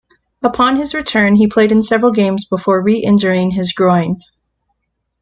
Upon his return, he played in several games before re-injuring his groin.